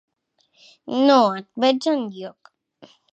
No et veig enlloc.